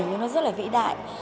tình hình nó rất là vĩ đại